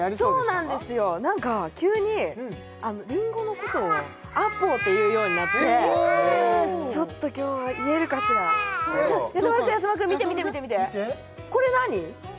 そうなんですよなんか急にりんごのことをａｐｐｌｅと言うようになってちょっと今日は言えるかしらやさ丸くんやさ丸くん見て見て見て見てこれ何？